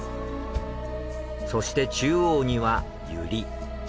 そして中央には百合。